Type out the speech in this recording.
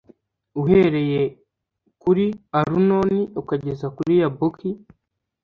uhereye kuri arunoni ukageza kuri yaboki